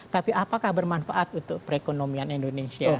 tapi apakah bermanfaat untuk perekonomian indonesia